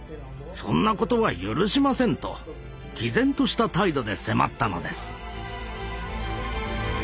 そんなことは許しません」ときぜんとした態度で迫ったのです。